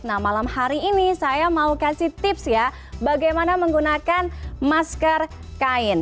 nah malam hari ini saya mau kasih tips ya bagaimana menggunakan masker kain